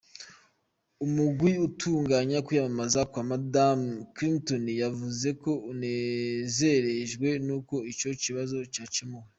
Umugwi utunganya kwiyamamaza kwa Madame Clinton wavuze ko unezerejwe n'uko ico kibazo cakemuwe.